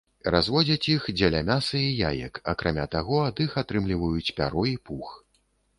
Разводзяць іх дзеля мяса і яек, акрамя таго ад іх атрымліваюць пяро і пух.